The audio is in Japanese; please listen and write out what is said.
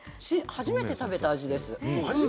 初めて食べた味です。